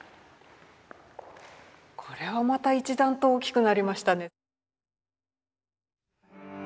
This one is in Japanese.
これはまた一段と大きくなりましたね。